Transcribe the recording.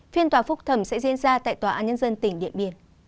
phiên tòa phúc thẩm sẽ diễn ra tại tòa án nhân dân tỉnh điện biên